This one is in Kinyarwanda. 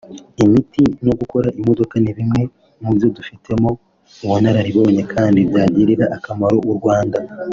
imiti no gukora imodoka ni bimwe mu byo dufitemo ubunararibonye kandi byagirira akamaro u Rwanda